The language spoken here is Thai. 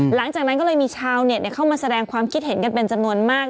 หลังจากนั้นก็เลยมีชาวเน็ตเข้ามาแสดงความคิดเห็นกันเป็นจำนวนมาก